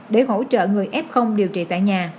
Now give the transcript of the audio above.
để hỗ trợ người f điều trị tại nhà